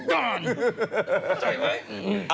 เข้าใจไหมอ่ะ